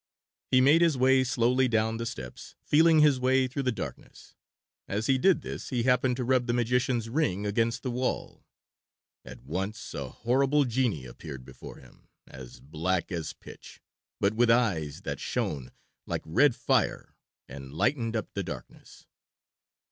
He made his way slowly down the steps, feeling his way through the darkness. As he did this he happened to rub the magician's ring against the wall. At once a horrible genie appeared before him, as black as pitch, but with eyes that shone like a red fire, and lightened up the darkness.